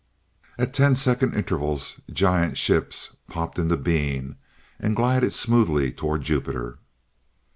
At ten second intervals, giant ships popped into being, and glided smoothly toward Jupiter.